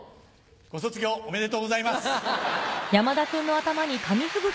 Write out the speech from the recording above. ご卒業おめでとうございます。